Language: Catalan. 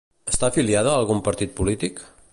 Està afiliada a algun partit polític?